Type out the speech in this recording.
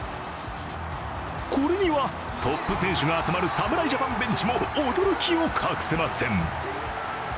これにはトップ選手が集まる侍ジャパンベンチも驚きを隠せません。